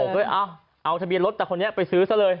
ก็เลยเอาทะเบียนรถแต่คนนี้ไปซื้อซะเลย